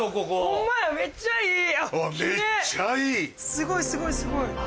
すごいすごいすごい。